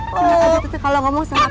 kenapa tete kalau ngomong sama aku